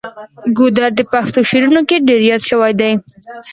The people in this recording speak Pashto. ګودر د پښتو شعرونو کې ډیر یاد شوی دی.